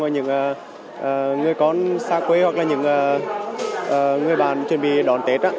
và những người con xa quê hoặc là những người bà chuẩn bị đón tết